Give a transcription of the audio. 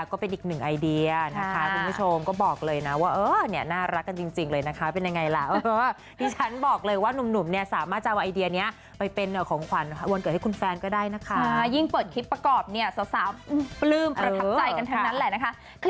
ก็เป็นอีกหนึ่งไอเดียนะคะคุณผู้ชมก็บอกเลยนะว่าเนี่ยน่ารักจริง